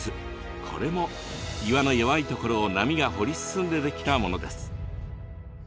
これも岩の弱い所を波が掘り進んで出来たものです。